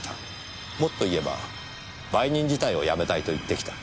もっと言えば売人自体を辞めたいと言ってきた。